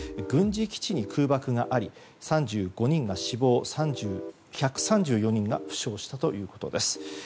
軍事基地に空爆があり３５人が死亡１３４人が負傷したということです。